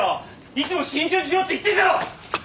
いつも慎重にしろって言ってるだろ！